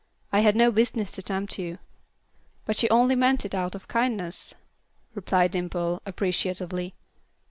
I had no business to tempt you." "But you only meant it out of kindness," replied Dimple, appreciatively.